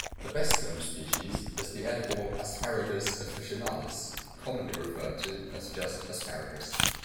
The best-known species is the edible "Asparagus officinalis", commonly referred to as just "asparagus".